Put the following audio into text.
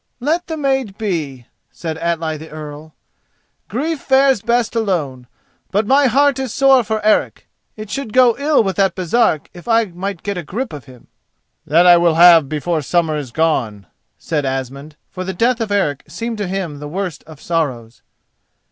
"Let the maid be," said Atli the Earl. "Grief fares best alone. But my heart is sore for Eric. It should go ill with that Baresark if I might get a grip of him." "That I will have before summer is gone," said Asmund, for the death of Eric seemed to him the worst of sorrows.